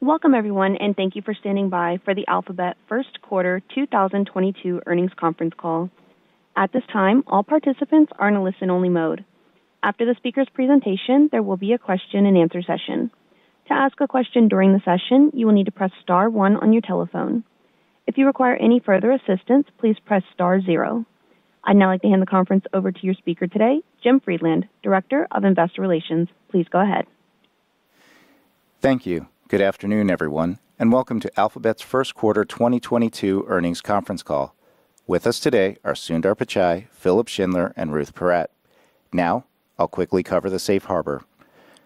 Welcome, everyone, and thank you for standing by for the Alphabet First Quarter 2022 earnings conference call. At this time, all participants are in a listen-only mode. After the speaker's presentation, there will be a question-and-answer session. To ask a question during the session, you will need to press star one on your telephone. If you require any further assistance, please press star zero. I'd now like to hand the conference over to your speaker today, Jim Friedland, Director of Investor Relations. Please go ahead. Thank you. Good afternoon, everyone, and welcome to Alphabet's First Quarter 2022 earnings conference call. With us today are Sundar Pichai, Philipp Schindler, and Ruth Porat. Now, I'll quickly cover the safe harbor.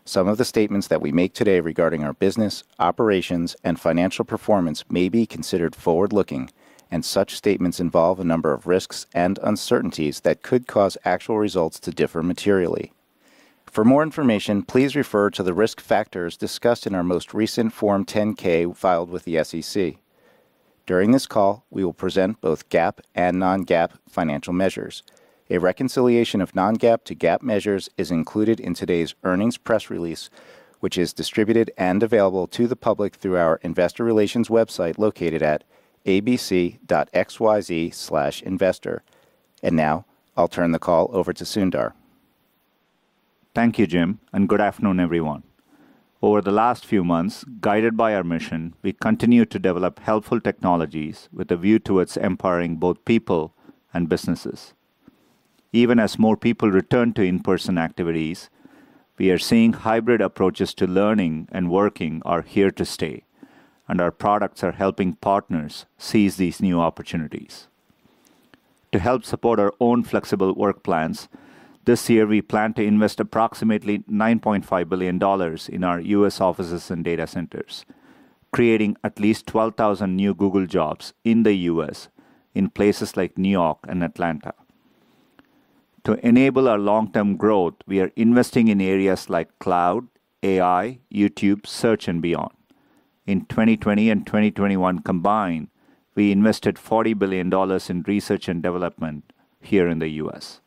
Some of the statements that we make today regarding our business, operations, and financial performance may be considered forward-looking, and such statements involve a number of risks and uncertainties that could cause actual results to differ materially. For more information, please refer to the risk factors discussed in our most recent Form 10-K filed with the SEC. During this call, we will present both GAAP and non-GAAP financial measures. A reconciliation of non-GAAP to GAAP measures is included in today's earnings press release, which is distributed and available to the public through our Investor Relations website located at abc.xyz/investor. And now, I'll turn the call over to Sundar. Thank you, Jim, and good afternoon, everyone. Over the last few months, guided by our mission, we continue to develop helpful technologies with a view to it's empowering both people and businesses. Even as more people return to in-person activities, we are seeing hybrid approaches to learning and working, are here to stay, and our products are helping partners seize these new opportunities. To help support our own flexible work plans, this year we plan to invest approximately $9.5 billion in our U.S. offices and data centers, creating at least 12,000 new Google jobs in the U.S. in places like New York and Atlanta. To enable our long-term growth, we are investing in areas like Cloud, AI, YouTube, search, and beyond. In 2020 and 2021 combined, we invested $40 billion in research and development here in the U.S.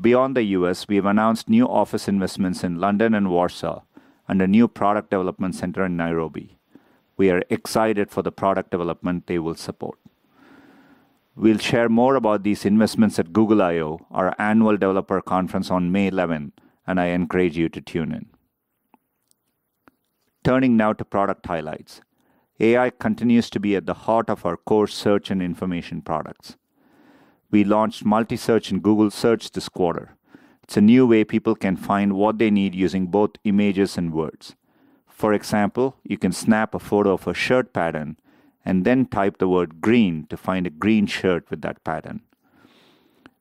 Beyond the U.S., we have announced new office investments in London and Warsaw, and a new product development center in Nairobi. We are excited for the product development they will support. We'll share more about these investments at Google I/O, our annual developer conference on May 11, and I encourage you to tune in. Turning now to product highlights, AI continues to be at the heart of our core search and information products. We launched multisearch in Google Search this quarter. It's a new way people can find what they need using both images and words. For example, you can snap a photo of a shirt pattern and then type the word "green" to find a green shirt with that pattern.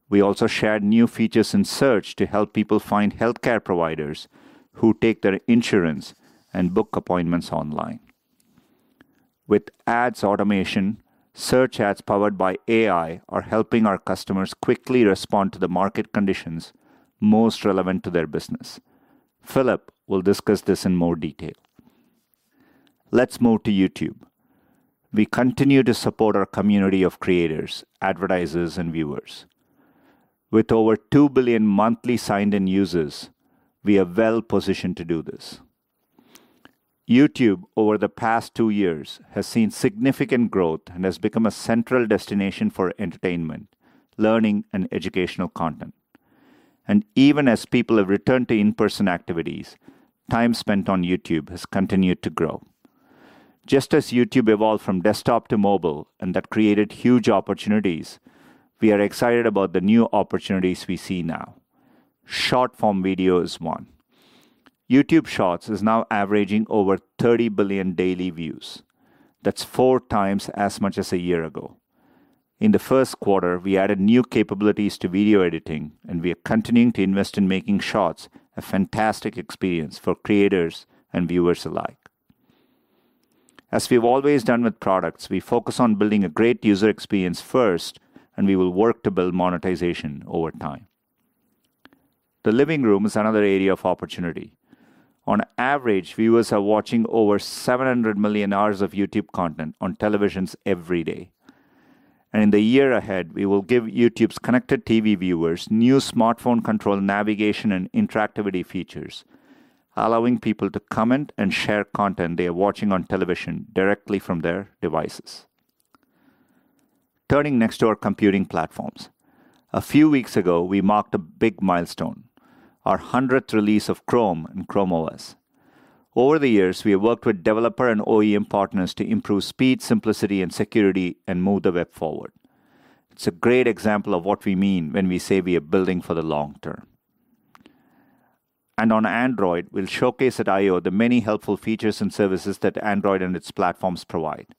We also shared new features in Search to help people find healthcare providers who take their insurance and book appointments online. With ads automation, search ads powered by AI are helping our customers quickly respond to the market conditions most relevant to their business. Philipp will discuss this in more detail. Let's move to YouTube. We continue to support our community of creators, advertisers, and viewers. With over two billion monthly signed-in users, we are well positioned to do this. YouTube, over the past two years, has seen significant growth and has become a central destination for entertainment, learning, and educational content. And even as people have returned to in-person activities, time spent on YouTube has continued to grow. Just as YouTube evolved from desktop to mobile and that created huge opportunities, we are excited about the new opportunities we see now. Short-form video is one. YouTube Shorts is now averaging over 30 billion daily views. That's four times as much as a year ago. In the first quarter, we added new capabilities to video editing, and we are continuing to invest in making Shorts a fantastic experience for creators and viewers alike. As we've always done with products, we focus on building a great user experience first, and we will work to build monetization over time. The living room is another area of opportunity. On average, viewers are watching over 700 million hours of YouTube content on televisions every day, and in the year ahead, we will give YouTube's connected TV viewers new smartphone-controlled navigation and interactivity features, allowing people to comment and share content they are watching on television directly from their devices. Turning next to our computing platforms, a few weeks ago, we marked a big milestone, our 100th release of Chrome and Chrome OS. Over the years, we have worked with developer and OEM partners to improve speed, simplicity, and security, and move the web forward. It's a great example of what we mean when we say we are building for the long term, and on Android, we'll showcase at I/O the many helpful features and services that Android and its platforms provide.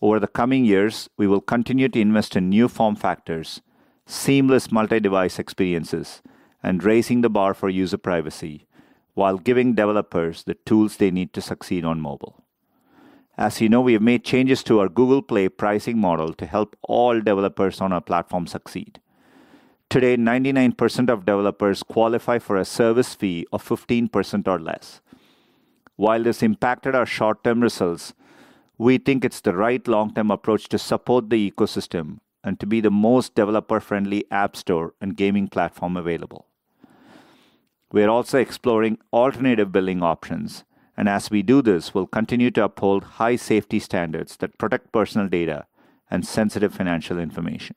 Over the coming years, we will continue to invest in new form factors, seamless multi-device experiences, and raising the bar for user privacy while giving developers the tools they need to succeed on mobile. As you know, we have made changes to our Google Play pricing model to help all developers on our platform succeed. Today, 99% of developers qualify for a service fee of 15% or less. While this impacted our short-term results, we think it's the right long-term approach to support the ecosystem and to be the most developer-friendly app store and gaming platform available. We are also exploring alternative billing options, and as we do this, we'll continue to uphold high safety standards that protect personal data and sensitive financial information.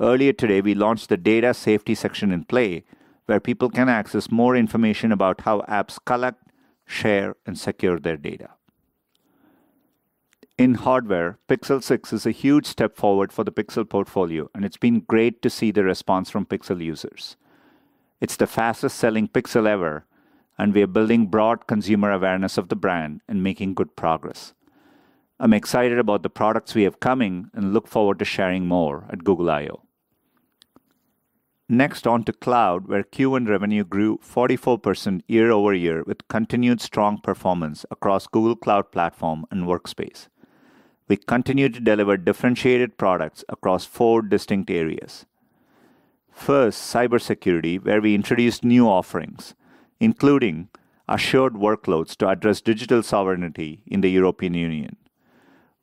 Earlier today, we launched the Data Safety section in Play, where people can access more information about how apps collect, share, and secure their data. In hardware, Pixel 6 is a huge step forward for the Pixel portfolio, and it's been great to see the response from Pixel users. It's the fastest-selling Pixel ever, and we are building broad consumer awareness of the brand and making good progress. I'm excited about the products we have coming and look forward to sharing more at Google I/O. Next, on to Cloud, where Q1 Revenue grew 44% year-over-year with continued strong performance across Google Cloud Platform and Workspace. We continue to deliver differentiated products across four distinct areas. First, Cybersecurity, where we introduced new offerings, including Assured Workloads to address digital sovereignty in the European Union.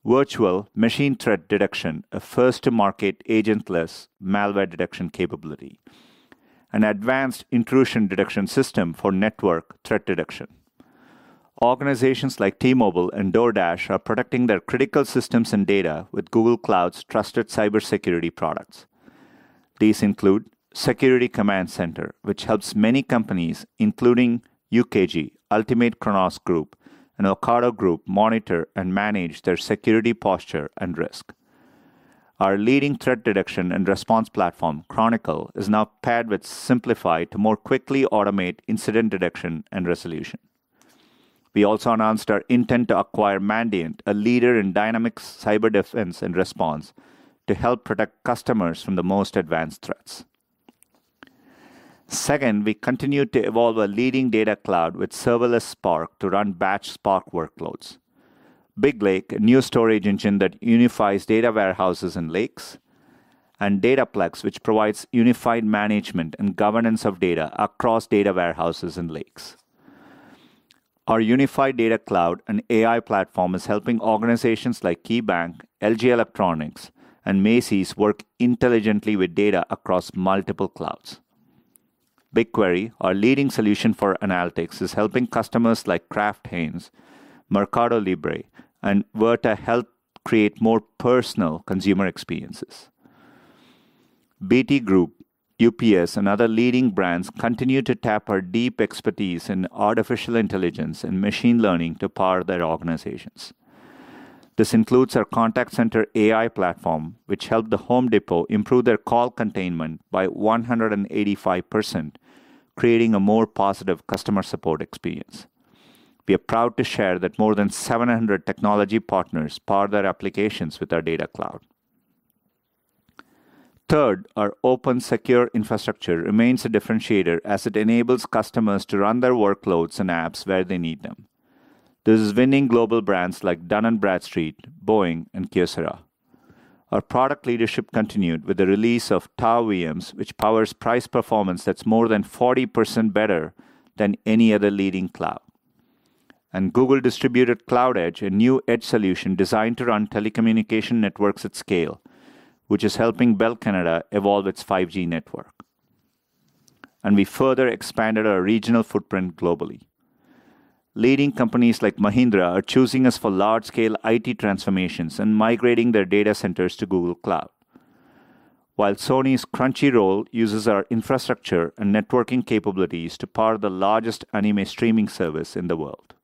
Virtual Machine Threat Detection, a first-to-market agentless malware detection capability. An advanced intrusion detection system for network threat detection. Organizations like T-Mobile and DoorDash are protecting their critical systems and data with Google Cloud's trusted cybersecurity products. These include Security Command Center, which helps many companies, including UKG, Ultimate Kronos Group, and Ocado Group, monitor and manage their security posture and risk. Our leading threat detection and response platform, Chronicle, is now paired with Simplify to more quickly automate incident detection and resolution. We also announced our intent to acquire Mandiant, a leader in dynamic cyber defense and response to help protect customers from the most advanced threats. Second, we continue to evolve a leading data cloud with Serverless Spark to run batch Spark workloads. BigLake, a new storage engine that unifies data warehouses and lakes, and Dataplex, which provides unified management and governance of data across data warehouses and lakes. Our Unified Data Cloud, an AI platform, is helping organizations like KeyBank, LG Electronics, and Macy's work intelligently with data across multiple clouds. BigQuery, our leading solution for analytics, is helping customers like Kraft Heinz, MercadoLibre, and Virta help create more personal consumer experiences. BT Group, UPS, and other leading brands continue to tap our deep expertise in artificial intelligence and machine learning to power their organizations. This includes our Contact Center AI Platform, which helped The Home Depot improve their call containment by 185%, creating a more positive customer support experience. We are proud to share that more than 700 technology partners power their applications with our data cloud. Third, our open, secure infrastructure remains a differentiator as it enables customers to run their workloads and apps where they need them. This is winning global brands like Dun & Bradstreet, Boeing, and Kyocera. Our product leadership continued with the release of Tau VMs, which powers price performance that's more than 40% better than any other leading cloud, and Google Distributed Cloud Edge, a new edge solution designed to run telecommunication networks at scale, which is helping Bell Canada evolve its 5G network, and we further expanded our regional footprint globally. Leading companies like Mahindra are choosing us for large-scale IT transformations and migrating their data centers to Google Cloud, while Sony's Crunchyroll uses our infrastructure and networking capabilities to power the largest anime streaming service in the world.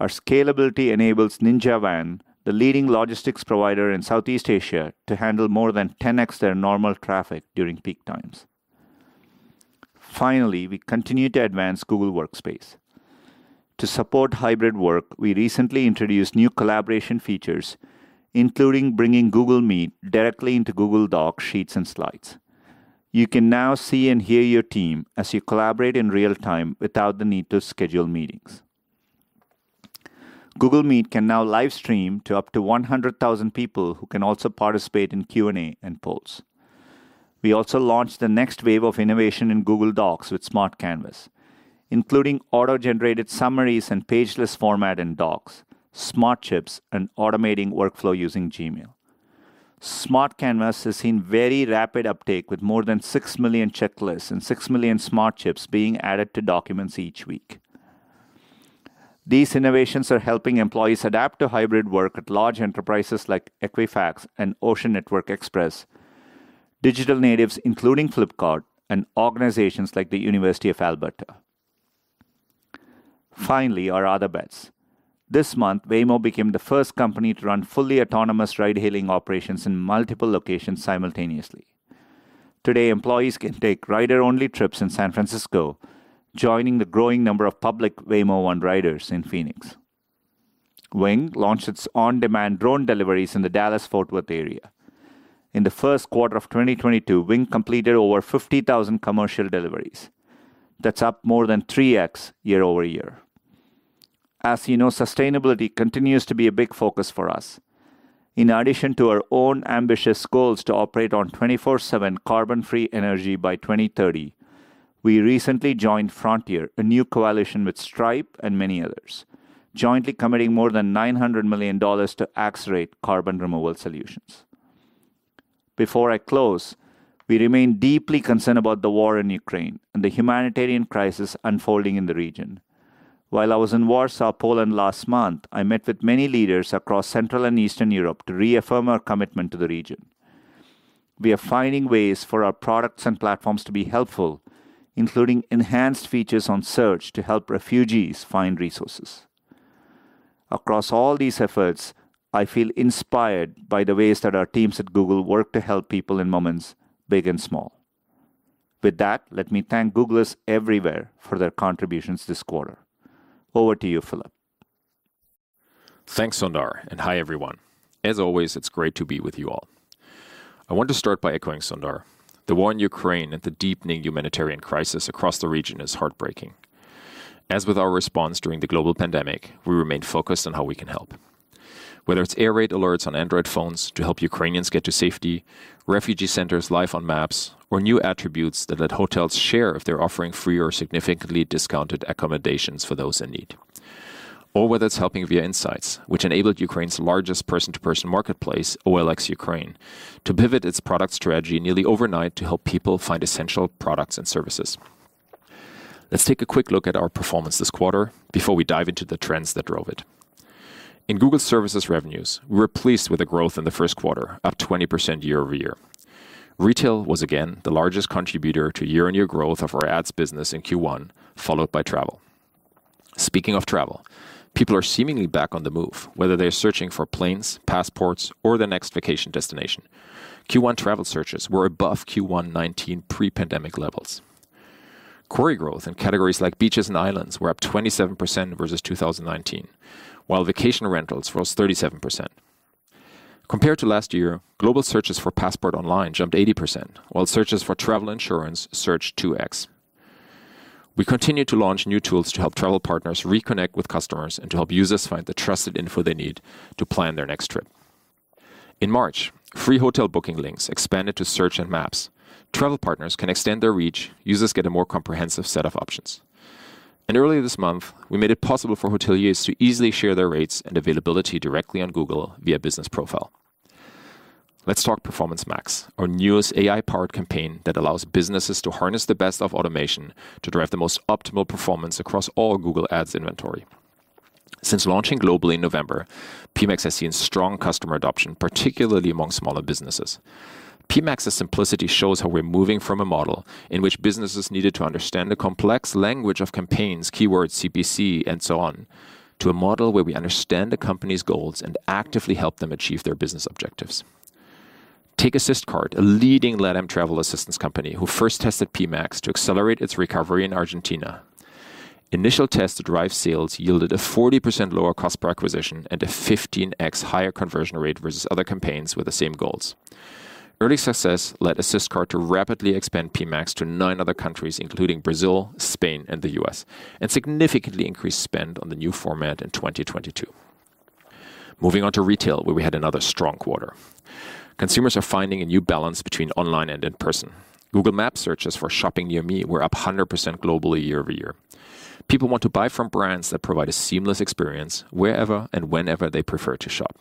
Our scalability enables Ninja Van, the leading logistics provider in Southeast Asia, to handle more than 10x their normal traffic during peak times. Finally, we continue to advance Google Workspace. To support hybrid work, we recently introduced new collaboration features, including bringing Google Meet directly into Google Docs, Sheets, and Slides. You can now see and hear your team as you collaborate in real time without the need to schedule meetings. Google Meet can now live stream to up to 100,000 people who can also participate in Q&A and polls. We also launched the next wave of innovation in Google Docs with Smart Canvas, including auto-generated summaries and pageless format in Docs, smart chips, and automating workflow using Gmail. Smart Canvas has seen very rapid uptake, with more than six million checklists and six million smart chips being added to documents each week. These innovations are helping employees adapt to hybrid work at large enterprises like Equifax and Ocean Network Express, digital natives including Flipkart, and organizations like the University of Alberta. Finally, our other bets. This month, Waymo became the first company to run fully autonomous ride-hailing operations in multiple locations simultaneously. Today, employees can take rider-only trips in San Francisco, joining the growing number of public Waymo One riders in Phoenix. Wing launched its on-demand drone deliveries in the Dallas-Fort Worth area. In the first quarter of 2022, Wing completed over 50,000 commercial deliveries. That's up more than 3x year-over-year. As you know, sustainability continues to be a big focus for us. In addition to our own ambitious goals to operate on 24/7 carbon-free energy by 2030, we recently joined Frontier, a new coalition with Stripe and many others, jointly committing more than $900 million to accelerate carbon removal solutions. Before I close, we remain deeply concerned about the war in Ukraine and the humanitarian crisis unfolding in the region. While I was in Warsaw, Poland, last month, I met with many leaders across Central and Eastern Europe to reaffirm our commitment to the region. We are finding ways for our products and platforms to be helpful, including enhanced features on Search to help refugees find resources. Across all these efforts, I feel inspired by the ways that our teams at Google work to help people in moments big and small. With that, let me thank Googlers everywhere for their contributions this quarter. Over to you, Philipp. Thanks, Sundar, and hi, everyone. As always, it's great to be with you all. I want to start by echoing Sundar. The war in Ukraine and the deepening humanitarian crisis across the region is heartbreaking. As with our response during the global pandemic, we remain focused on how we can help. Whether it's air raid alerts on Android phones to help Ukrainians get to safety, refugee centers live on maps, or new attributes that let hotels share if they're offering free or significantly discounted accommodations for those in need. Or whether it's helping via Insights, which enabled Ukraine's largest person-to-person marketplace, OLX Ukraine, to pivot its product strategy nearly overnight to help people find essential products and services. Let's take a quick look at our performance this quarter before we dive into the trends that drove it. In Google Services revenues, we were pleased with the growth in the first quarter, up 20% year-over-year. Retail was, again, the largest contributor to year-on-year growth of our ads business in Q1, followed by travel. Speaking of travel, people are seemingly back on the move, whether they're searching for planes, passports, or their next vacation destination. Q1 travel searches were above Q1 2019 pre-pandemic levels. Query growth in categories like beaches and islands were up 27% versus 2019, while vacation rentals rose 37%. Compared to last year, global searches for passport online jumped 80%, while searches for travel insurance surged 2x. We continue to launch new tools to help travel partners reconnect with customers and to help users find the trusted info they need to plan their next trip. In March, free hotel booking links expanded to Search and Maps. Travel partners can extend their reach. Users get a more comprehensive set of options. And earlier this month, we made it possible for hoteliers to easily share their rates and availability directly on Google via Business Profile. Let's talk Performance Max, our newest AI-powered campaign that allows businesses to harness the best of automation to drive the most optimal performance across all Google Ads inventory. Since launching globally in November, PMax has seen strong customer adoption, particularly among smaller businesses. PMax's simplicity shows how we're moving from a model in which businesses needed to understand the complex language of campaigns, keywords, CPC, and so on, to a model where we understand the company's goals and actively help them achieve their business objectives. Take Assist Card, a leading LATAM travel assistance company who first tested PMax to accelerate its recovery in Argentina. Initial tests to drive sales yielded a 40% lower cost per acquisition and a 15x higher conversion rate versus other campaigns with the same goals. Early success led Assist Card to rapidly expand PMax to nine other countries, including Brazil, Spain, and the U.S., and significantly increased spend on the new format in 2022. Moving on to retail, where we had another strong quarter. Consumers are finding a new balance between online and in person. Google Maps searches for "Shopping near me" were up 100% globally year-over-year. People want to buy from brands that provide a seamless experience wherever and whenever they prefer to shop.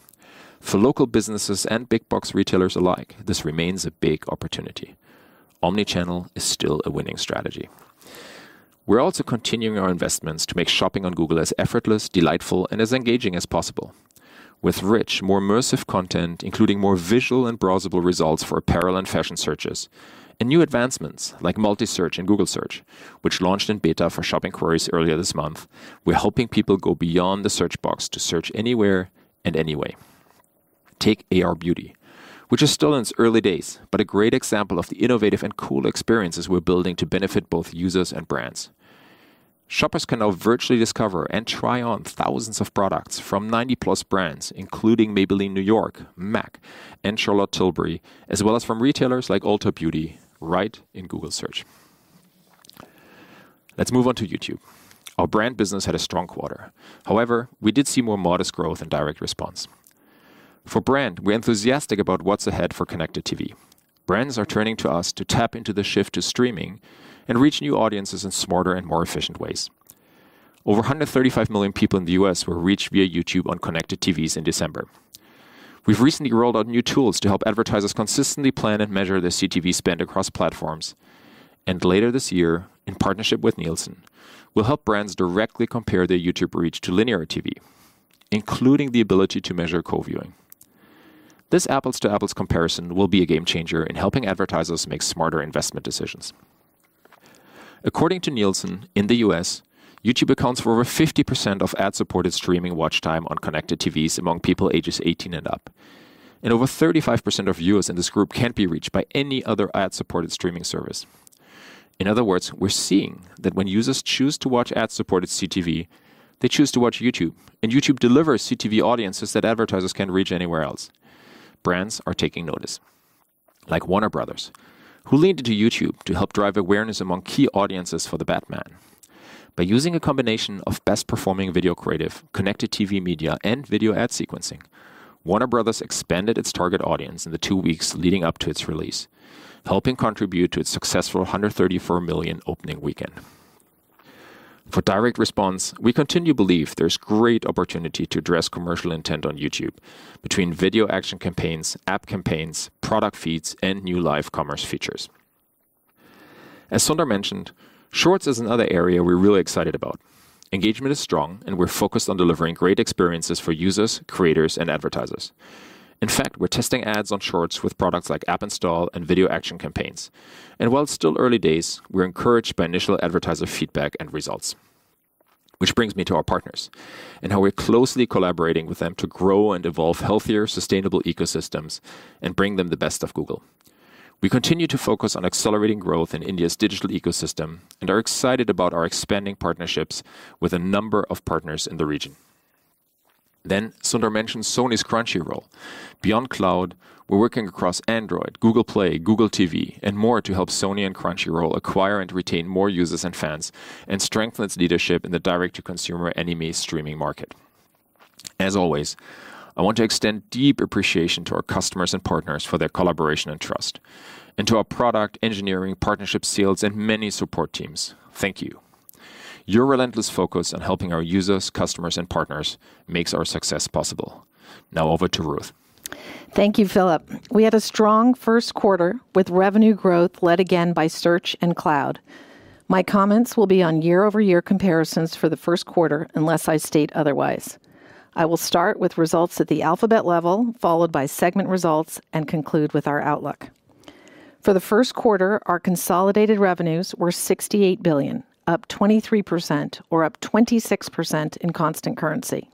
For local businesses and big-box retailers alike, this remains a big opportunity. Omnichannel is still a winning strategy. We're also continuing our investments to make shopping on Google as effortless, delightful, and as engaging as possible. With rich, more immersive content, including more visual and browsable results for apparel and fashion searches, and new advancements like MultiSearch and Google Search, which launched in beta for shopping queries earlier this month, we're helping people go beyond the search box to search anywhere and anyway. Take AR Beauty, which is still in its early days but a great example of the innovative and cool experiences we're building to benefit both users and brands. Shoppers can now virtually discover and try on thousands of products from 90-plus brands, including Maybelline New York, MAC, and Charlotte Tilbury, as well as from retailers like Ulta Beauty right in Google Search. Let's move on to YouTube. Our brand business had a strong quarter. However, we did see more modest growth in direct response. For brand, we're enthusiastic about what's ahead for connected TV. Brands are turning to us to tap into the shift to streaming and reach new audiences in smarter and more efficient ways. Over 135 million people in the U.S. were reached via YouTube on connected TVs in December. We've recently rolled out new tools to help advertisers consistently plan and measure their CTV spend across platforms. And later this year, in partnership with Nielsen, we'll help brands directly compare their YouTube reach to linear TV, including the ability to measure co-viewing. This apples-to-apples comparison will be a game changer in helping advertisers make smarter investment decisions. According to Nielsen, in the U.S., YouTube accounts for over 50% of ad-supported streaming watch time on connected TVs among people ages 18 and up. And over 35% of viewers in this group can't be reached by any other ad-supported streaming service. In other words, we're seeing that when users choose to watch ad-supported CTV, they choose to watch YouTube, and YouTube delivers CTV audiences that advertisers can't reach anywhere else. Brands are taking notice, like Warner Bros., who leaned into YouTube to help drive awareness among key audiences for "The Batman." By using a combination of best-performing video creative, connected TV media, and video ad sequencing, Warner Bros. expanded its target audience in the two weeks leading up to its release, helping contribute to its successful $134 million opening weekend. For direct response, we continue to believe there's great opportunity to address commercial intent on YouTube between video action campaigns, app campaigns, product feeds, and new live commerce features. As Sundar mentioned, Shorts is another area we're really excited about. Engagement is strong, and we're focused on delivering great experiences for users, creators, and advertisers. In fact, we're testing ads on Shorts with products like App Install and video action campaigns, and while it's still early days, we're encouraged by initial advertiser feedback and results, which brings me to our partners and how we're closely collaborating with them to grow and evolve healthier, sustainable ecosystems and bring them the best of Google. We continue to focus on accelerating growth in India's digital ecosystem and are excited about our expanding partnerships with a number of partners in the region, then Sundar mentioned Sony's Crunchyroll. Beyond cloud, we're working across Android, Google Play, Google TV, and more to help Sony and Crunchyroll acquire and retain more users and fans and strengthen its leadership in the direct-to-consumer anime streaming market. As always, I want to extend deep appreciation to our customers and partners for their collaboration and trust, and to our product, engineering, partnership sales, and many support teams. Thank you. Your relentless focus on helping our users, customers, and partners makes our success possible. Now over to Ruth. Thank you, Philipp. We had a strong first quarter with revenue growth led again by Search and Cloud. My comments will be on year-over-year comparisons for the first quarter unless I state otherwise. I will start with results at the Alphabet level, followed by segment results, and conclude with our outlook. For the first quarter, our consolidated revenues were $68 billion, up 23%, or up 26% in constant currency.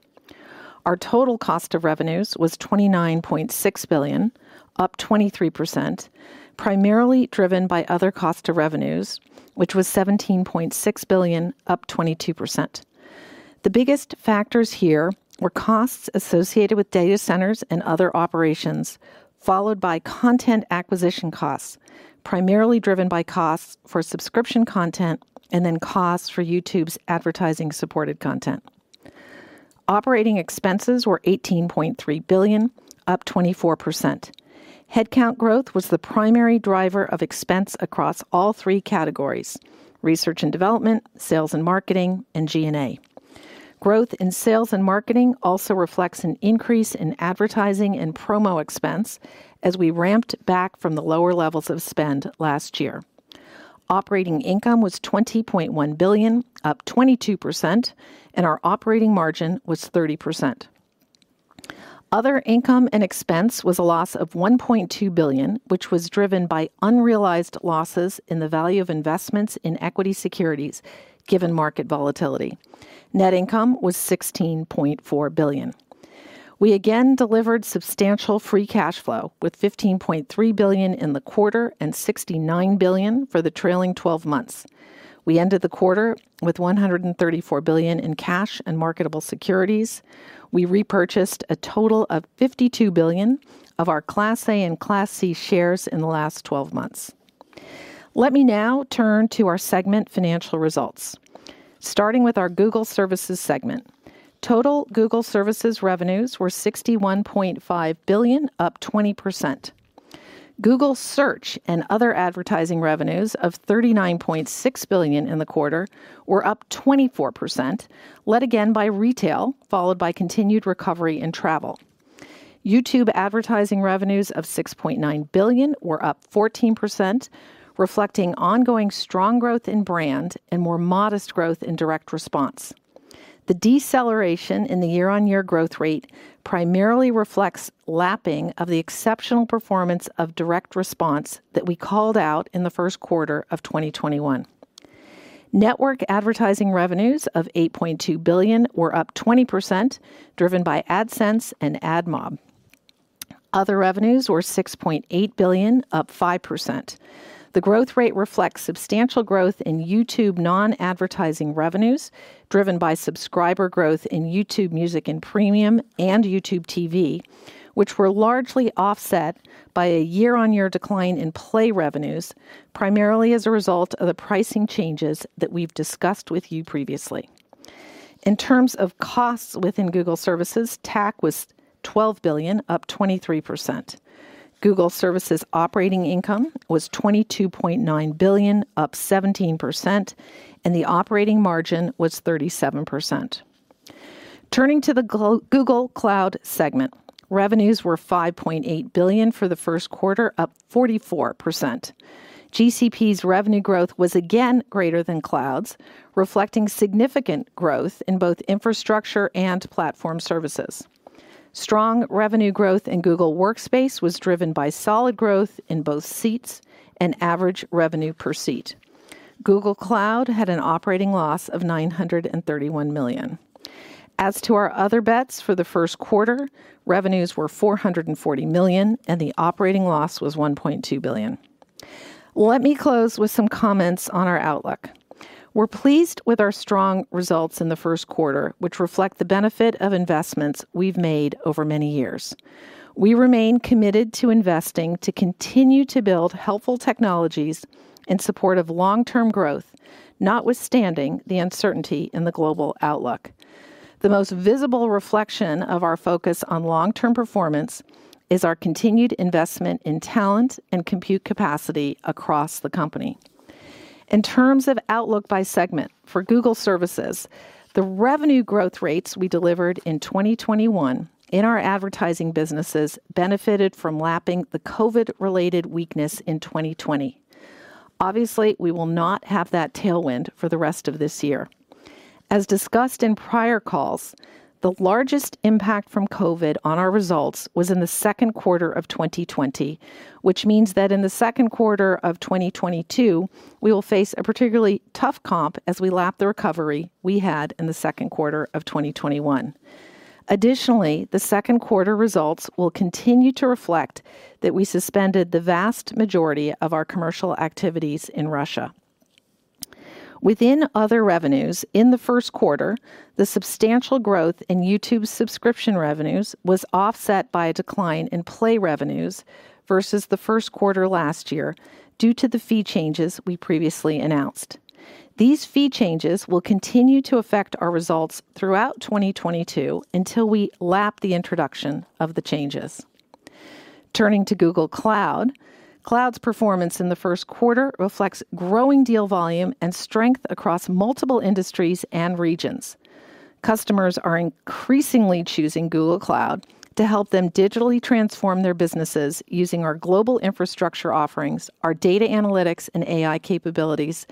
Our total cost of revenues was $29.6 billion, up 23%, primarily driven by other cost of revenues, which was $17.6 billion, up 22%. The biggest factors here were costs associated with data centers and other operations, followed by content acquisition costs, primarily driven by costs for subscription content and then costs for YouTube's advertising-supported content. Operating expenses were $18.3 billion, up 24%. Headcount growth was the primary driver of expense across all three categories: research and development, sales and marketing, and G&A. Growth in sales and marketing also reflects an increase in advertising and promo expense as we ramped back from the lower levels of spend last year. Operating income was $20.1 billion, up 22%, and our operating margin was 30%. Other income and expense was a loss of $1.2 billion, which was driven by unrealized losses in the value of investments in equity securities given market volatility. Net income was $16.4 billion. We again delivered substantial free cash flow with $15.3 billion in the quarter and $69 billion for the trailing 12 months. We ended the quarter with $134 billion in cash and marketable securities. We repurchased a total of $52 billion of our Class A and Class C shares in the last 12 months. Let me now turn to our segment financial results, starting with our Google Services segment. Total Google Services revenues were $61.5 billion, up 20%. Google Search and other advertising revenues of $39.6 billion in the quarter were up 24%, led again by retail, followed by continued recovery in travel. YouTube advertising revenues of $6.9 billion were up 14%, reflecting ongoing strong growth in brand and more modest growth in direct response. The deceleration in the year-on-year growth rate primarily reflects lapping of the exceptional performance of direct response that we called out in the first quarter of 2021. Network advertising revenues of $8.2 billion were up 20%, driven by AdSense and AdMob. Other revenues were $6.8 billion, up 5%. The growth rate reflects substantial growth in YouTube non-advertising revenues, driven by subscriber growth in YouTube Music and Premium and YouTube TV, which were largely offset by a year-on-year decline in Play revenues, primarily as a result of the pricing changes that we've discussed with you previously. In terms of costs within Google Services, TAC was $12 billion, up 23%. Google Services operating income was $22.9 billion, up 17%, and the operating margin was 37%. Turning to the Google Cloud segment, revenues were $5.8 billion for the first quarter, up 44%. GCP's revenue growth was again greater than Cloud's, reflecting significant growth in both infrastructure and platform services. Strong revenue growth in Google Workspace was driven by solid growth in both seats and average revenue per seat. Google Cloud had an operating loss of $931 million. As to our other bets for the first quarter, revenues were $440 million, and the operating loss was $1.2 billion. Let me close with some comments on our outlook. We're pleased with our strong results in the first quarter, which reflect the benefit of investments we've made over many years. We remain committed to investing to continue to build helpful technologies in support of long-term growth, notwithstanding the uncertainty in the global outlook. The most visible reflection of our focus on long-term performance is our continued investment in talent and compute capacity across the company. In terms of outlook by segment for Google Services, the revenue growth rates we delivered in 2021 in our advertising businesses benefited from lapping the COVID-related weakness in 2020. Obviously, we will not have that tailwind for the rest of this year. As discussed in prior calls, the largest impact from COVID on our results was in the second quarter of 2020, which means that in the second quarter of 2022, we will face a particularly tough comp as we lap the recovery we had in the second quarter of 2021. Additionally, the second quarter results will continue to reflect that we suspended the vast majority of our commercial activities in Russia. Within other revenues, in the first quarter, the substantial growth in YouTube subscription revenues was offset by a decline in Play revenues versus the first quarter last year due to the fee changes we previously announced. These fee changes will continue to affect our results throughout 2022 until we lap the introduction of the changes. Turning to Google Cloud, Cloud's performance in the first quarter reflects growing deal volume and strength across multiple industries and regions. Customers are increasingly choosing Google Cloud to help them digitally transform their businesses using our global infrastructure offerings, our data analytics and AI capabilities,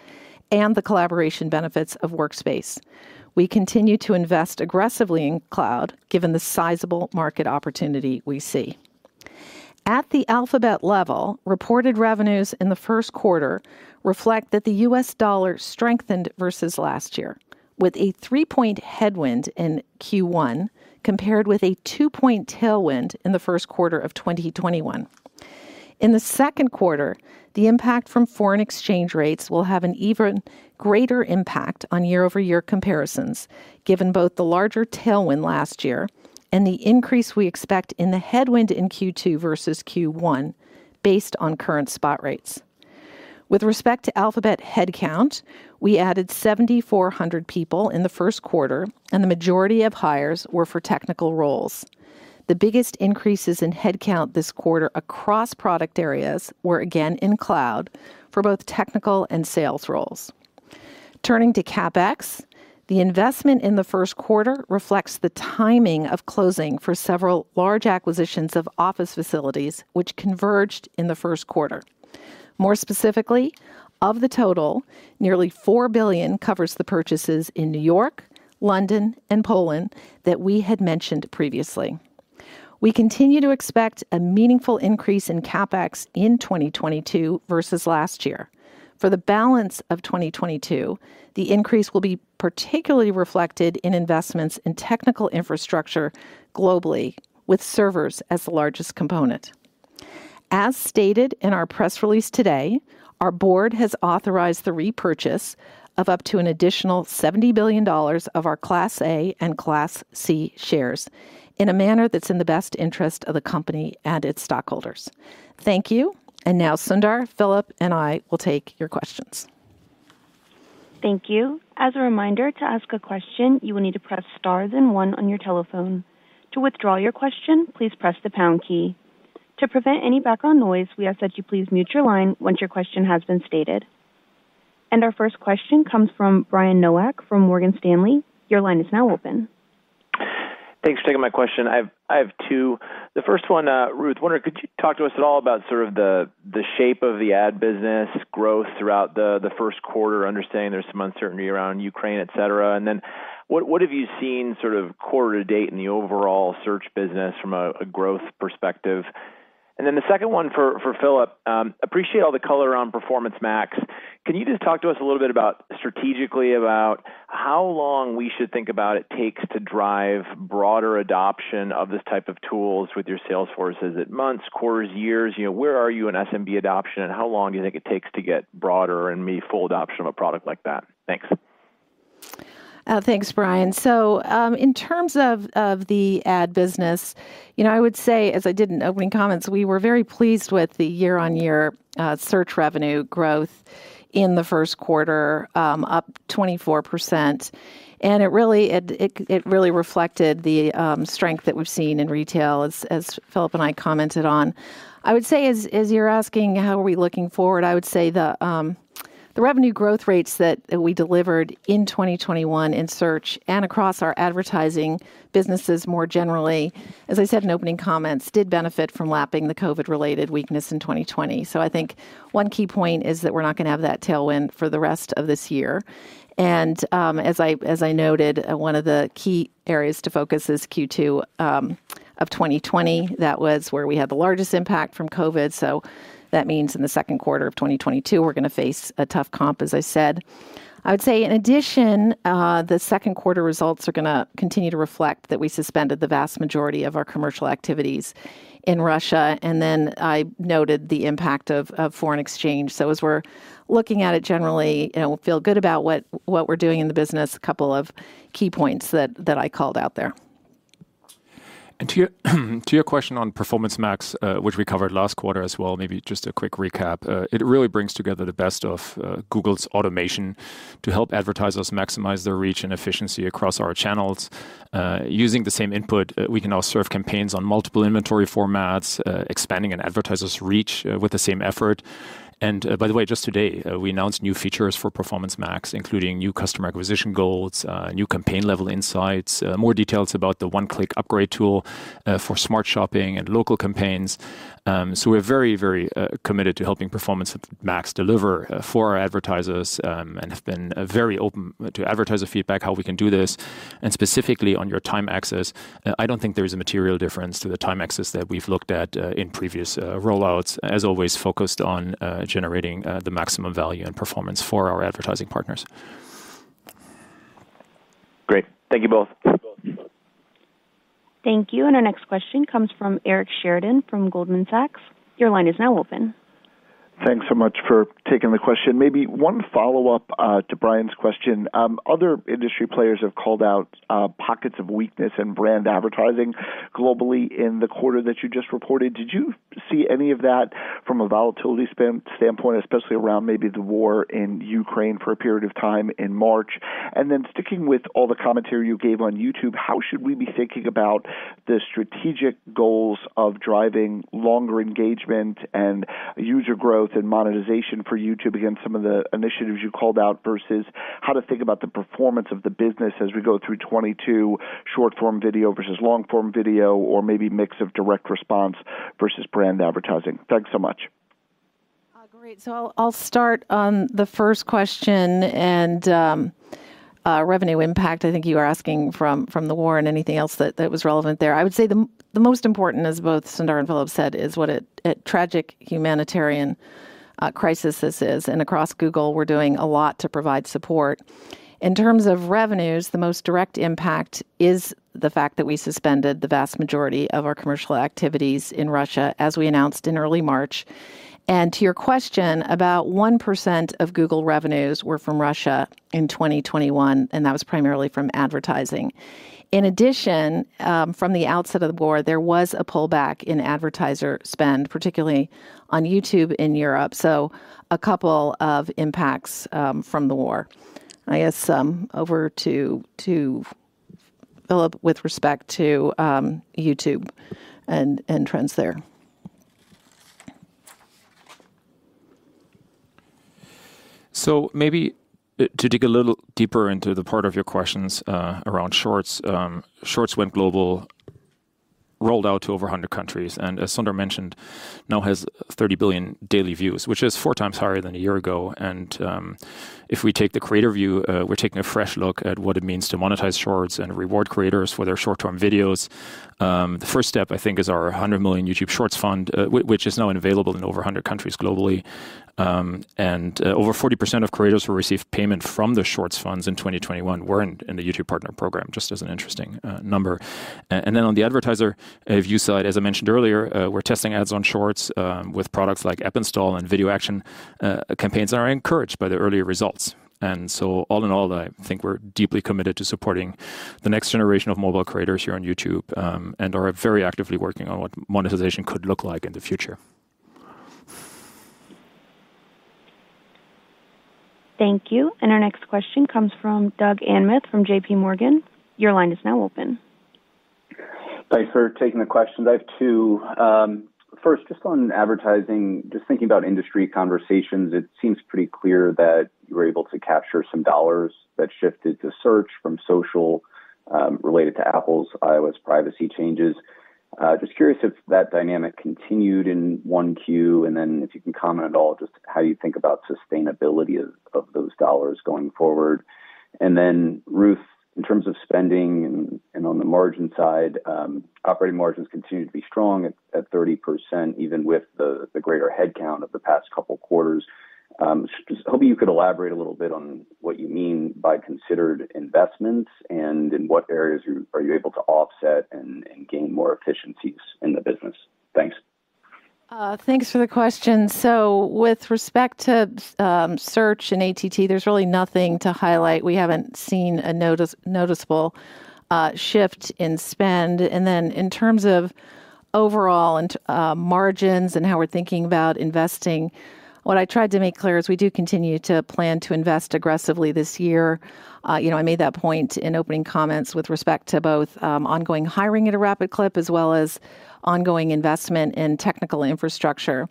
and the collaboration benefits of Workspace. We continue to invest aggressively in Cloud, given the sizable market opportunity we see. At the Alphabet level, reported revenues in the first quarter reflect that the U.S. dollar strengthened versus last year, with a three-point headwind in Q1 compared with a two-point tailwind in the first quarter of 2021. In the second quarter, the impact from foreign exchange rates will have an even greater impact on year-over-year comparisons, given both the larger tailwind last year and the increase we expect in the headwind in Q2 versus Q1 based on current spot rates. With respect to Alphabet headcount, we added 7,400 people in the first quarter, and the majority of hires were for technical roles. The biggest increases in headcount this quarter across product areas were again in Cloud for both technical and sales roles. Turning to CapEx, the investment in the first quarter reflects the timing of closing for several large acquisitions of office facilities, which converged in the first quarter. More specifically, of the total, nearly $4 billion covers the purchases in New York, London, and Poland that we had mentioned previously. We continue to expect a meaningful increase in CapEx in 2022 versus last year. For the balance of 2022, the increase will be particularly reflected in investments in technical infrastructure globally, with servers as the largest component. As stated in our press release today, our board has authorized the repurchase of up to an additional $70 billion of our Class A and Class C shares in a manner that's in the best interest of the company and its stockholders. Thank you. And now, Sundar, Philipp, and I will take your questions. Thank you. As a reminder, to ask a question, you will need to press stars and one on your telephone. To withdraw your question, please press the pound key. To prevent any background noise, we ask that you please mute your line once your question has been stated. And our first question comes from Brian Nowak from Morgan Stanley. Your line is now open. Thanks for taking my question. I have two. The first one, Ruth, I wonder if you could talk to us at all about sort of the shape of the ad business growth throughout the first quarter, understanding there's some uncertainty around Ukraine, etc. And then what have you seen sort of quarter to date in the overall search business from a growth perspective? And then the second one for Philipp, I appreciate all the color on Performance Max. Can you just talk to us a little bit strategically about how long we should think about it takes to drive broader adoption of this type of tools with your sales forces at months, quarters, years? Where are you in SMB adoption, and how long do you think it takes to get broader and meaningful adoption of a product like that? Thanks. Thanks, Brian. So in terms of the ad business, I would say, as I did in opening comments, we were very pleased with the year-on-year search revenue growth in the first quarter, up 24%. And it really reflected the strength that we've seen in retail, as Philipp and I commented on. I would say, as you're asking how are we looking forward, I would say the revenue growth rates that we delivered in 2021 in search and across our advertising businesses more generally, as I said in opening comments, did benefit from lapping the COVID-related weakness in 2020. So I think one key point is that we're not going to have that tailwind for the rest of this year. And as I noted, one of the key areas to focus is Q2 of 2020. That was where we had the largest impact from COVID. So that means in the second quarter of 2022, we're going to face a tough comp, as I said. I would say, in addition, the second quarter results are going to continue to reflect that we suspended the vast majority of our commercial activities in Russia. And then I noted the impact of foreign exchange. So as we're looking at it generally, we feel good about what we're doing in the business, a couple of key points that I called out there. And to your question on Performance Max, which we covered last quarter as well, maybe just a quick recap, it really brings together the best of Google's automation to help advertisers maximize their reach and efficiency across our channels. Using the same input, we can now serve campaigns on multiple inventory formats, expanding an advertiser's reach with the same effort. And by the way, just today, we announced new features for Performance Max, including new customer acquisition goals, new campaign-level insights, more details about the one-click upgrade tool for smart shopping and local campaigns. So we're very, very committed to helping Performance Max deliver for our advertisers and have been very open to advertiser feedback, how we can do this. And specifically on your time axis, I don't think there is a material difference to the time axis that we've looked at in previous rollouts, as always focused on generating the maximum value and performance for our advertising partners. Great. Thank you both. Thank you. And our next question comes from Eric Sheridan from Goldman Sachs. Your line is now open. Thanks so much for taking the question. Maybe one follow-up to Brian's question. Other industry players have called out pockets of weakness in brand advertising globally in the quarter that you just reported. Did you see any of that from a volatility standpoint, especially around maybe the war in Ukraine for a period of time in March? And then sticking with all the commentary you gave on YouTube, how should we be thinking about the strategic goals of driving longer engagement and user growth and monetization for YouTube against some of the initiatives you called out versus how to think about the performance of the business as we go through 2022, short-form video versus long-form video, or maybe mix of direct response versus brand advertising? Thanks so much. Great. So I'll start on the first question and revenue impact. I think you were asking from the war and anything else that was relevant there. I would say the most important, as both Sundar and Philipp said, is what a tragic humanitarian crisis this is, and across Google, we're doing a lot to provide support. In terms of revenues, the most direct impact is the fact that we suspended the vast majority of our commercial activities in Russia, as we announced in early March, and to your question about 1% of Google revenues were from Russia in 2021, and that was primarily from advertising. In addition, from the outset of the war, there was a pullback in advertiser spend, particularly on YouTube in Europe, so a couple of impacts from the war. I guess over to Philipp with respect to YouTube and trends there. So maybe to dig a little deeper into the part of your questions around Shorts. Shorts went global, rolled out to over 100 countries, and as Sundar mentioned, now has 30 billion daily views, which is four times higher than a year ago. And if we take the creator view, we're taking a fresh look at what it means to monetize Shorts and reward creators for their short-form videos. The first step, I think, is our $100 million YouTube Shorts Fund, which is now available in over 100 countries globally. And over 40% of creators who received payment from the Shorts fund in 2021 weren't in the YouTube Partner Program, just as an interesting number. And then on the advertiser view side, as I mentioned earlier, we're testing ads on Shorts with products like App Install and Video Action campaigns that are encouraged by the earlier results. And so all in all, I think we're deeply committed to supporting the next generation of mobile creators here on YouTube and are very actively working on what monetization could look like in the future. Thank you. And our next question comes from Doug Anmuth from JPMorgan. Your line is now open. Thanks for taking the question. I have two. First, just on advertising, just thinking about industry conversations, it seems pretty clear that you were able to capture some dollars that shifted to search from social related to Apple's iOS privacy changes. Just curious if that dynamic continued in Q1, and then if you can comment at all just how you think about sustainability of those dollars going forward. Ruth, in terms of spending and on the margin side, operating margins continue to be strong at 30%, even with the greater headcount of the past couple of quarters. Just hoping you could elaborate a little bit on what you mean by considered investments and in what areas are you able to offset and gain more efficiencies in the business? Thanks. Thanks for the question. So with respect to search and ATT, there's really nothing to highlight. We haven't seen a noticeable shift in spend. And then in terms of overall margins and how we're thinking about investing, what I tried to make clear is we do continue to plan to invest aggressively this year. I made that point in opening comments with respect to both ongoing hiring at a rapid clip as well as ongoing investment in technical infrastructure.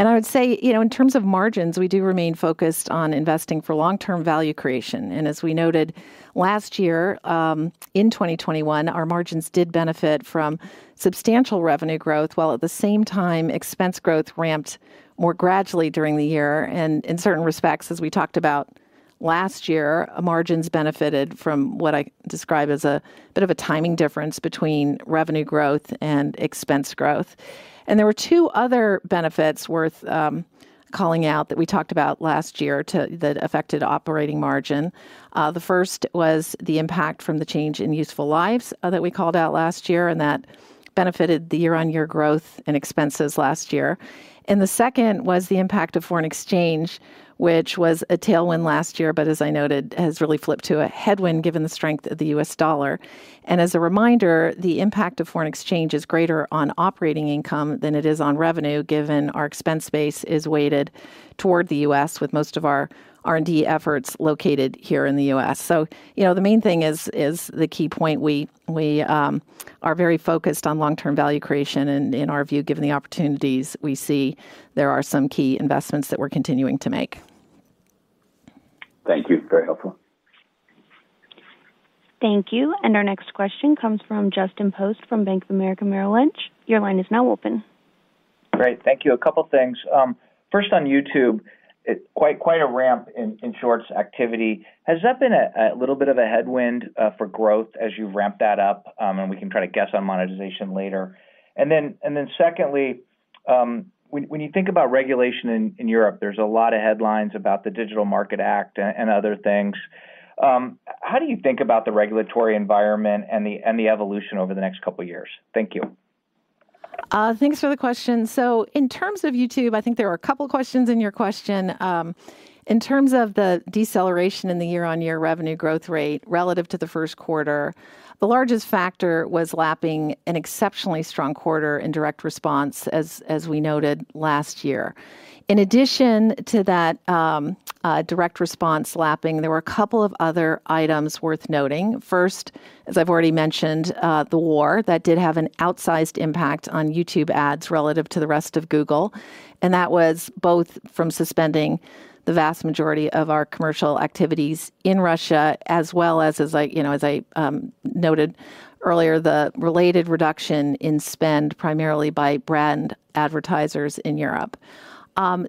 And I would say in terms of margins, we do remain focused on investing for long-term value creation. And as we noted last year, in 2021, our margins did benefit from substantial revenue growth, while at the same time, expense growth ramped more gradually during the year. And in certain respects, as we talked about last year, margins benefited from what I describe as a bit of a timing difference between revenue growth and expense growth. And there were two other benefits worth calling out that we talked about last year that affected operating margin. The first was the impact from the change in useful lives that we called out last year, and that benefited the year-on-year growth in expenses last year. And the second was the impact of foreign exchange, which was a tailwind last year, but as I noted, has really flipped to a headwind given the strength of the U.S. dollar. And as a reminder, the impact of foreign exchange is greater on operating income than it is on revenue, given our expense base is weighted toward the U.S., with most of our R&D efforts located here in the U.S. So the main thing is the key point. We are very focused on long-term value creation, and in our view, given the opportunities we see, there are some key investments that we're continuing to make. Thank you. Very helpful. Thank you. And our next question comes from Justin Post from Bank of America Merrill Lynch. Your line is now open. Great. Thank you. A couple of things. First, on YouTube, quite a ramp in Shorts activity. Has that been a little bit of a headwind for growth as you've ramped that up? And we can try to guess on monetization later. And then secondly, when you think about regulation in Europe, there's a lot of headlines about the Digital Markets Act and other things. How do you think about the regulatory environment and the evolution over the next couple of years? Thank you. Thanks for the question. So in terms of YouTube, I think there were a couple of questions in your question. In terms of the deceleration in the year-on-year revenue growth rate relative to the first quarter, the largest factor was lapping an exceptionally strong quarter in direct response, as we noted last year. In addition to that direct response lapping, there were a couple of other items worth noting. First, as I've already mentioned, the war that did have an outsized impact on YouTube ads relative to the rest of Google, and that was both from suspending the vast majority of our commercial activities in Russia, as well as, as I noted earlier, the related reduction in spend primarily by brand advertisers in Europe,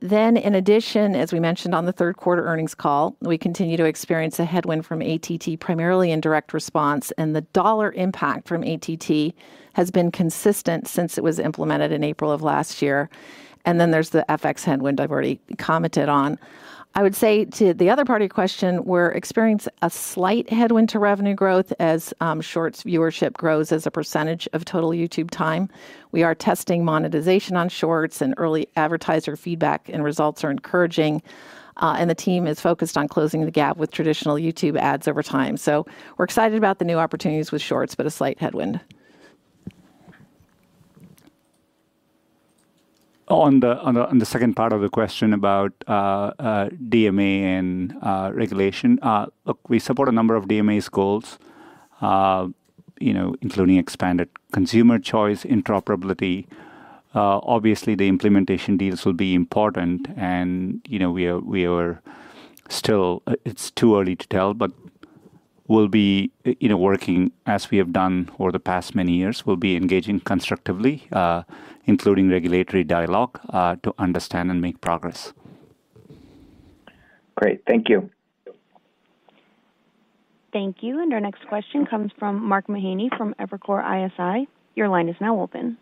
then in addition, as we mentioned on the third quarter earnings call, we continue to experience a headwind from ATT, primarily in direct response, and the dollar impact from ATT has been consistent since it was implemented in April of last year, and then there's the FX headwind I've already commented on. I would say to the other part of your question, we're experiencing a slight headwind to revenue growth as Shorts viewership grows as a percentage of total YouTube time. We are testing monetization on Shorts, and early advertiser feedback and results are encouraging. The team is focused on closing the gap with traditional YouTube ads over time. So we're excited about the new opportunities with Shorts, but a slight headwind. On the second part of the question about DMA and regulation, look, we support a number of DMA goals, including expanded consumer choice, interoperability. Obviously, the implementation deals will be important. And we are still, it's too early to tell, but we'll be working as we have done over the past many years. We'll be engaging constructively, including regulatory dialogue, to understand and make progress. Great. Thank you. Thank you. And our next question comes from Mark Mahaney from Evercore ISI. Your line is now open.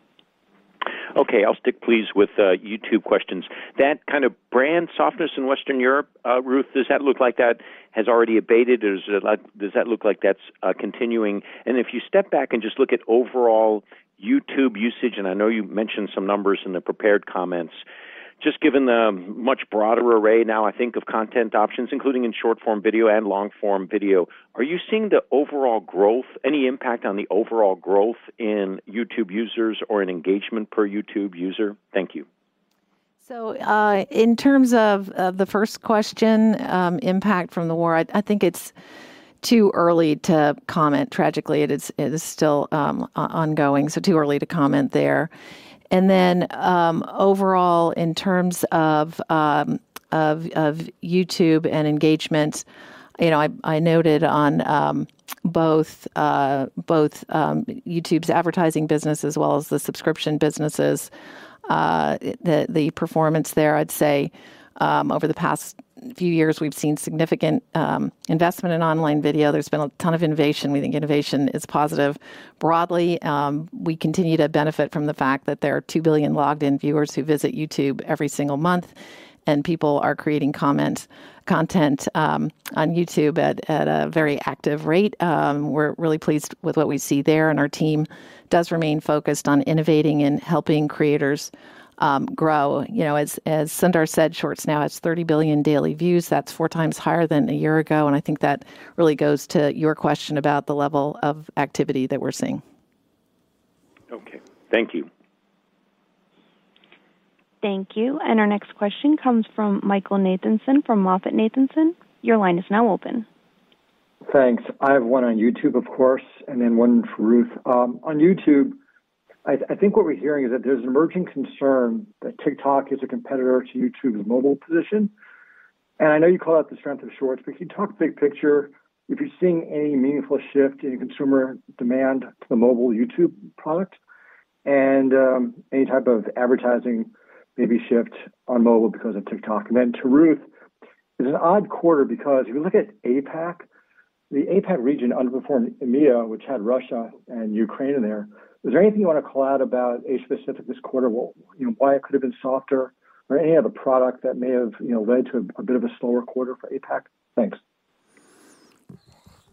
Okay. I'll stick, please, with YouTube questions. That kind of brand softness in Western Europe, Ruth, does that look like that has already abated? Does that look like that's continuing? And if you step back and just look at overall YouTube usage, and I know you mentioned some numbers in the prepared comments, just given the much broader array now, I think, of content options, including in short-form video and long-form video, are you seeing the overall growth, any impact on the overall growth in YouTube users or in engagement per YouTube user? Thank you. So in terms of the first question, impact from the war, I think it's too early to comment. Tragically, it is still ongoing. So too early to comment there. And then overall, in terms of YouTube and engagement, I noted on both YouTube's advertising business as well as the subscription businesses, the performance there. I'd say over the past few years, we've seen significant investment in online video. There's been a ton of innovation. We think innovation is positive broadly. We continue to benefit from the fact that there are 2 billion logged-in viewers who visit YouTube every single month, and people are creating content on YouTube at a very active rate. We're really pleased with what we see there. And our team does remain focused on innovating and helping creators grow. As Sundar said, Shorts now has 30 billion daily views. That's four times higher than a year ago. And I think that really goes to your question about the level of activity that we're seeing. Okay. Thank you. Thank you. And our next question comes from Michael Nathanson from MoffettNathanson. Your line is now open. Thanks. I have one on YouTube, of course, and then one for Ruth. On YouTube, I think what we're hearing is that there's an emerging concern that TikTok is a competitor to YouTube's mobile position. I know you called out the strength of Shorts, but can you talk big picture? If you're seeing any meaningful shift in consumer demand for the mobile YouTube product and any type of advertising maybe shift on mobile because of TikTok? And then to Ruth, it's an odd quarter because if you look at APAC, the APAC region underperformed EMEA, which had Russia and Ukraine in there. Is there anything you want to call out about Asia Pacific this quarter? Why it could have been softer or any other product that may have led to a bit of a slower quarter for APAC? Thanks.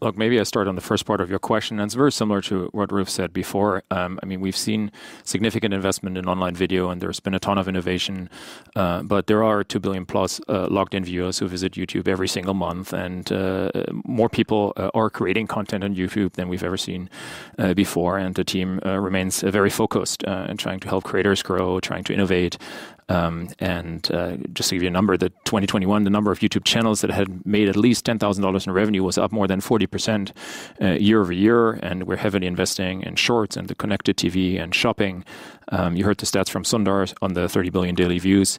Look, maybe I start on the first part of your question. And it's very similar to what Ruth said before. I mean, we've seen significant investment in online video, and there's been a ton of innovation. But there are 2 billion-plus logged-in viewers who visit YouTube every single month. And more people are creating content on YouTube than we've ever seen before. And the team remains very focused in trying to help creators grow, trying to innovate. And just to give you a number, in 2021, the number of YouTube channels that had made at least $10,000 in revenue was up more than 40% year-over-year. And we're heavily investing in Shorts and the connected TV and shopping. You heard the stats from Sundar on the 30 billion daily views.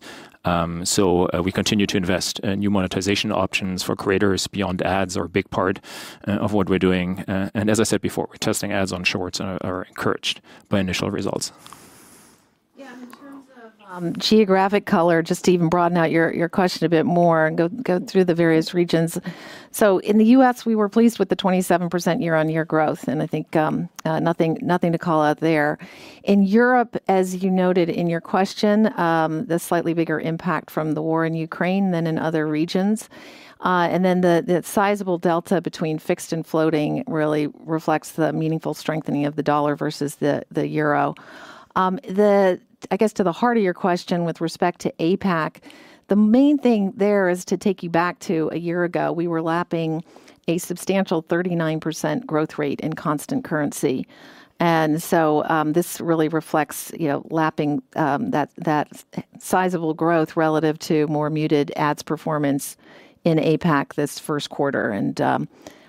So we continue to invest in new monetization options for creators beyond ads, are a big part of what we're doing. And as I said before, we're testing ads on Shorts and are encouraged by initial results. Yeah. In terms of geographic color, just to even broaden out your question a bit more and go through the various regions. So in the U.S., we were pleased with the 27% year-on-year growth. And I think nothing to call out there. In Europe, as you noted in your question, the slightly bigger impact from the war in Ukraine than in other regions. And then the sizable delta between fixed and floating really reflects the meaningful strengthening of the dollar versus the euro. I guess to the heart of your question with respect to APAC, the main thing there is to take you back to a year ago. We were lapping a substantial 39% growth rate in constant currency. And so this really reflects lapping that sizable growth relative to more muted ads performance in APAC this first quarter. And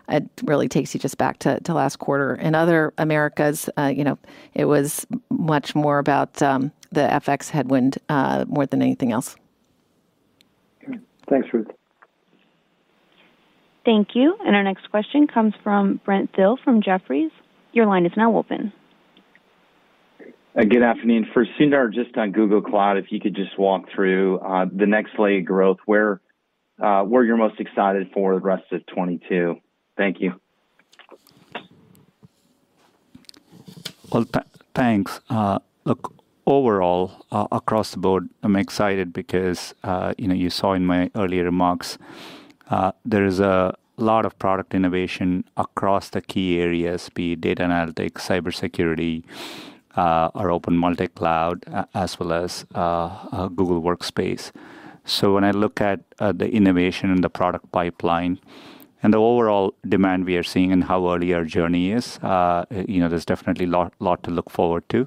it really takes you just back to last quarter. In Other Americas, it was much more about the FX headwind more than anything else. Thanks, Ruth. Thank you. Our next question comes from Brent Thill from Jefferies. Your line is now open. Good afternoon. For Sundar, just on Google Cloud, if you could just walk through the next leg of growth, where you're most excited for the rest of 2022. Thank you. Well, thanks. Look, overall, across the board, I'm excited because you saw in my earlier remarks, there is a lot of product innovation across the key areas, be it Data Analytics, Cybersecurity, our Open Multicloud, as well as Google Workspace. So when I look at the innovation and the product pipeline and the overall demand we are seeing and how early our journey is, there's definitely a lot to look forward to.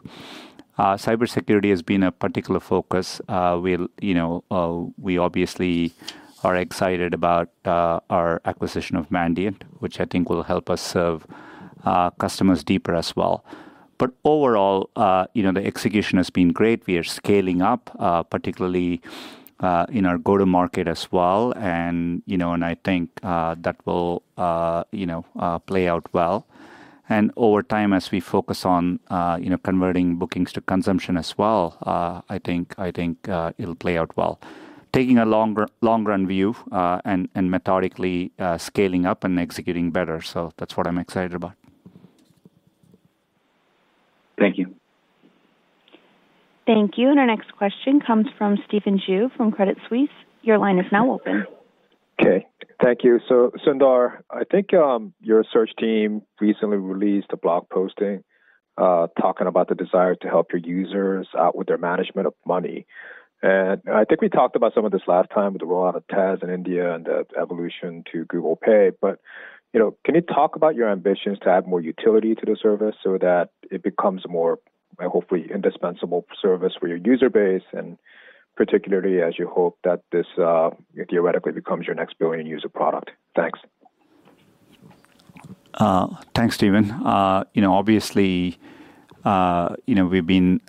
Cybersecurity has been a particular focus. We obviously are excited about our acquisition of Mandiant, which I think will help us serve customers deeper as well. But overall, the execution has been great. We are scaling up, particularly in our go-to-market as well. And I think that will play out well. And over time, as we focus on converting bookings to consumption as well, I think it'll play out well. Taking a long-run view and methodically scaling up and executing better. So that's what I'm excited about. Thank you. Thank you. And our next question comes from Stephen Ju from Credit Suisse. Your line is now open. Okay. Thank you. So Sundar, I think your search team recently released a blog posting talking about the desire to help your users out with their management of money. I think we talked about some of this last time with the rollout of Tez in India and the evolution to Google Pay. But can you talk about your ambitions to add more utility to the service so that it becomes a more, hopefully, indispensable service for your user base, and particularly as you hope that this theoretically becomes your next billion-user product? Thanks. Thanks, Stephen. Obviously, we've been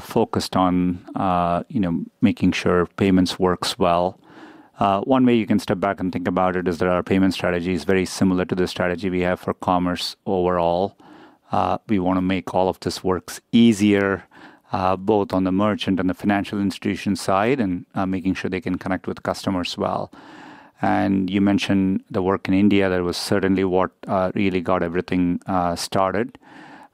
focused on making sure payments work well. One way you can step back and think about it is that our payment strategy is very similar to the strategy we have for commerce overall. We want to make all of this work easier, both on the merchant and the financial institution side, and making sure they can connect with customers well. And you mentioned the work in India. That was certainly what really got everything started.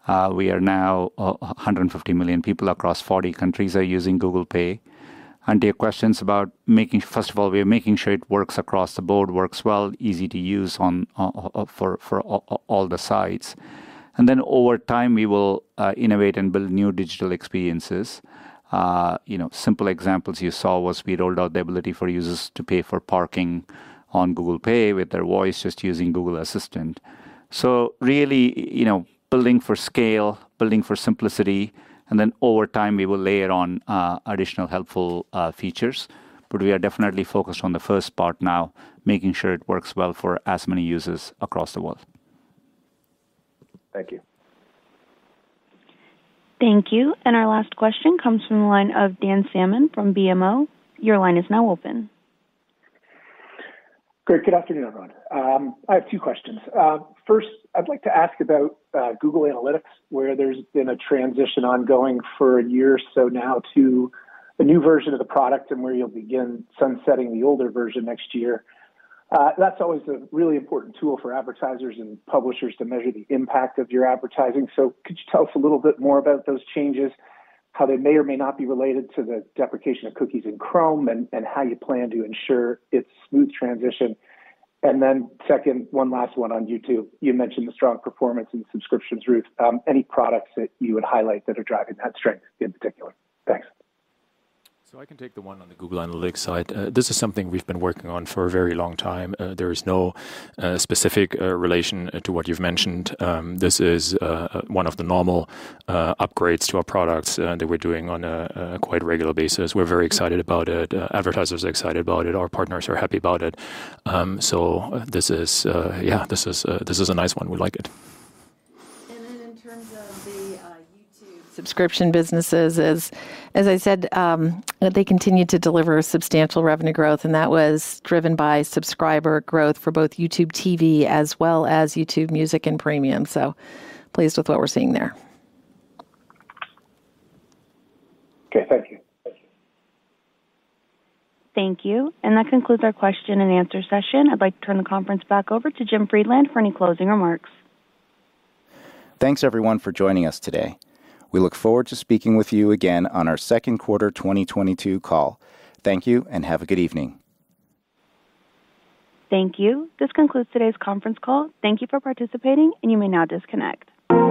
We are now 150 million people across 40 countries that are using Google Pay. And to your questions about making, first of all, we are making sure it works across the board, works well, easy to use for all the sides. And then over time, we will innovate and build new digital experiences. Simple examples you saw was we rolled out the ability for users to pay for parking on Google Pay with their voice just using Google Assistant. So really building for scale, building for simplicity. And then over time, we will layer on additional helpful features. But we are definitely focused on the first part now, making sure it works well for as many users across the world. Thank you. Thank you. And our last question comes from the line of Dan Salmon from BMO. Your line is now open. Great. Good afternoon, everyone. I have two questions. First, I'd like to ask about Google Analytics, where there's been a transition ongoing for a year or so now to a new version of the product and where you'll begin sunsetting the older version next year. That's always a really important tool for advertisers and publishers to measure the impact of your advertising. So could you tell us a little bit more about those changes, how they may or may not be related to the deprecation of cookies in Chrome and how you plan to ensure its smooth transition? And then second, one last one on YouTube. You mentioned the strong performance and subscriptions, Ruth. Any products that you would highlight that are driving that strength in particular? Thanks. So I can take the one on the Google Analytics side. This is something we've been working on for a very long time. There is no specific relation to what you've mentioned. This is one of the normal upgrades to our products that we're doing on a quite regular basis. We're very excited about it. Advertisers are excited about it. Our partners are happy about it. This is, yeah, a nice one. We like it. Then in terms of the YouTube subscription businesses, as I said, they continue to deliver substantial revenue growth. That was driven by subscriber growth for both YouTube TV as well as YouTube Music and Premium. Pleased with what we're seeing there. Okay. Thank you. Thank you. That concludes our question and answer session. I'd like to turn the conference back over to Jim Friedland for any closing remarks. Thanks, everyone, for joining us today. We look forward to speaking with you again on our second quarter 2022 call. Thank you and have a good evening. Thank you. This concludes today's conference call. Thank you for participating, and you may now disconnect.